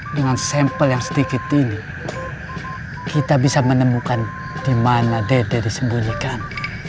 dengan sampel yang sedikit ini kita bisa menemukan di mana dede disembunyikan